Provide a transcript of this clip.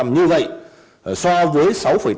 như vậy so với sáu tám